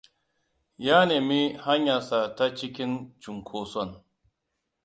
Ya nemi hanyarsa ta cikin cunkoson.